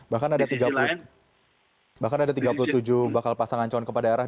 bahkan ada tiga puluh tujuh bakal pasangan calon kepala daerah